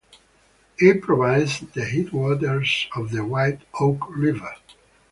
It provides the headwaters of the White Oak River.